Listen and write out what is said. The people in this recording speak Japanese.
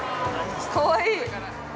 かわいい。